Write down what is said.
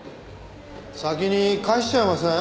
先に返しちゃいません？